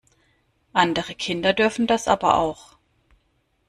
Andere Kinder dürfen das aber auch!